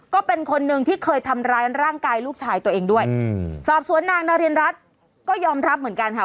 ก็เป็นคนหนึ่งที่เคยทำร้ายร่างกายลูกชายตัวเองด้วยอืมสอบสวนนางนารินรัฐก็ยอมรับเหมือนกันค่ะ